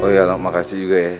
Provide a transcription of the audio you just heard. oh iya elang makasih juga ya